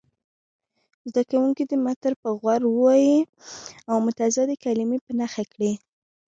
زده کوونکي دې متن په غور ولولي او متضادې کلمې په نښه کړي.